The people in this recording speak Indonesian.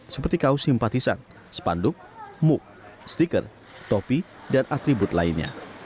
seperti kaos simpatisan spanduk muk stiker topi dan atribut lainnya